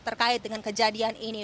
terkait dengan kejadian ini